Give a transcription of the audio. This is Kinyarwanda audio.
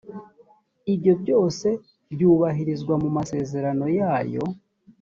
ibyo byose byubahirizwa mu masezerano yayo